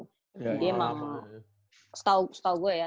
jadi emang setau gue ya